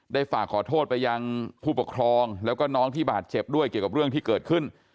ฝากขอโทษไปยังผู้ปกครองแล้วก็น้องที่บาดเจ็บด้วยเกี่ยวกับเรื่องที่เกิดขึ้น